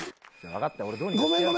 分かったよ